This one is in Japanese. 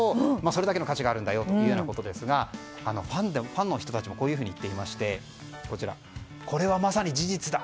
それだけの価値があるんだよということですがファンの人たちもこういうふうに言っていましてこれはまさに事実だ。